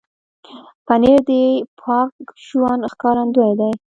پنېر د پاک ژوند ښکارندوی دی.